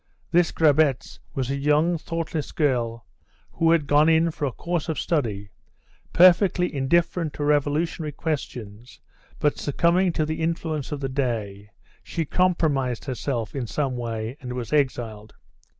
This Grabetz was a young, thoughtless girl who had gone in for a course of study, perfectly indifferent to revolutionary questions, but succumbing to the influence of the day, she compromised herself in some way and was exiled.